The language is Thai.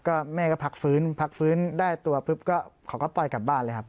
ก็แม่ก็พักฟื้นพักฟื้นได้ตัวปุ๊บก็เขาก็ปล่อยกลับบ้านเลยครับ